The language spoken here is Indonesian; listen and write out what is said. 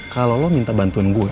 kalau lo minta bantuan gue